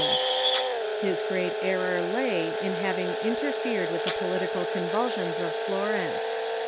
268 THE REFORMATION error lay in having interfered with the political convulsions of Florence.